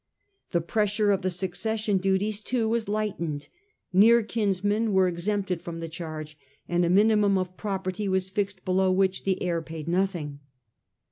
97 1 1 7 * Trajafi. 13 The pressure of the succession duties too was lightened ; near kinsmen were exempted from the charge, and a minimum of property was fixed below which the heir paid nothing.